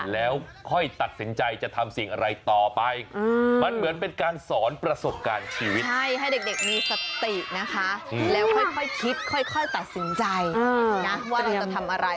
แล้วค่อยคิดค่อยตัดสินใจอืมนะว่าเราจะทำอะไร